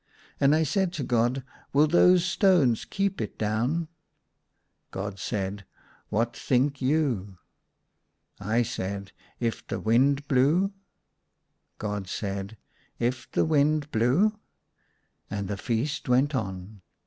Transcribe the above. And I said to God, "Will those stones keep it down ?" God said, " What think you ?" I said, " If the wind blew " God said, " If the wind blew ?" And the feast went on.